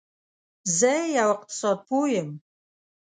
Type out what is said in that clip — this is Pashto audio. زه یو اقتصاد پوه یم